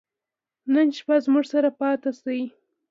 نن شپه زموږ سره پاته سئ.